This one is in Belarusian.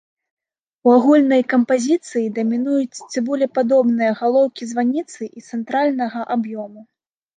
У агульнай кампазіцыі дамінуюць цыбулепадобныя галоўкі званіцы і цэнтральнага аб'ёму.